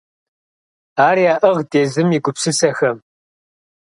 Ар яӏыгът езым и гупсысэхэм…